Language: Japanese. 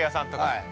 ◆はい。